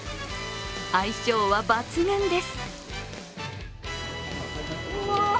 相性は抜群です。